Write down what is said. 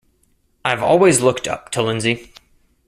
I've always looked up to Lindsey.